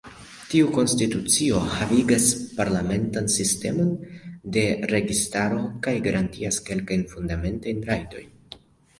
Tiu konstitucio havigas parlamentan sistemon de registaro kaj garantias kelkajn fundamentajn rajtojn.